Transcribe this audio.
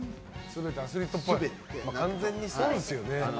完全にそうですよね。